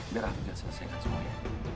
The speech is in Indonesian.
biar hafidz akan selesaikan semuanya